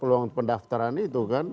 peluang pendaftaran itu kan